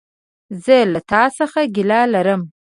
زه له تا څخه ګيله لرم!